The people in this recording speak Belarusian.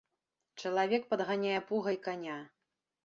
Чалавек падганяе пугай каня.